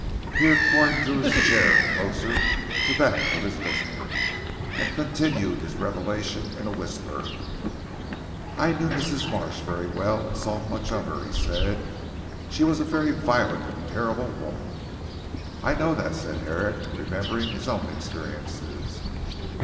Here Corn drew his chair closer to that of his listener, and continued his revelation in a whisper. "I knew Mrs. Marsh very well and saw much of her," he said, "she was a very violent and terrible woman." "I know that," said Herrick remembering his own experiences.